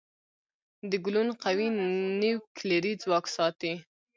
د ګلوون قوي نیوکلیري ځواک ساتي.